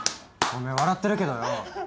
おめえ笑ってるけどよ